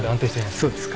そうですか。